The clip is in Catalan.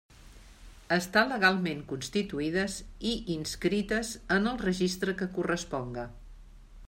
Estar legalment constituïdes i inscrites en el registre que corresponga.